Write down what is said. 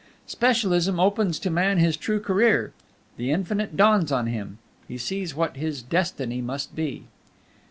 Specialism opens to man his true career; the Infinite dawns on him; he sees what his destiny must be.